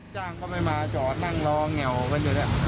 จ้างก็ไม่มาจอดนั่งรอเหง่อกันอยู่นี่